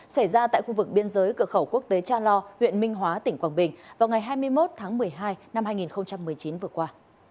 xảy ra tại khu vực biên giới cửa khẩu quốc tế cha lo huyện minh hóa tỉnh quảng bình vào ngày hai mươi một tháng một mươi hai năm hai nghìn một mươi chín vừa qua